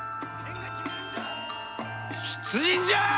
出陣じゃあ！